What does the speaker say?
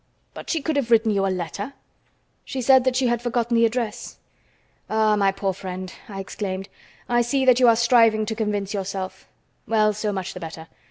"But she could have written you a letter." "She said that she had forgotten the address." "Ah, my poor friend," I exclaimed, "I see that you are striving to convince yourself. Well, so much the better.